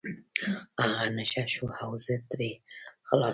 هغه نشه شو او زه ترې خلاص شوم.